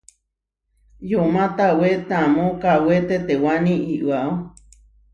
Yomá tawé taamó kawé tetewáni iʼwáo.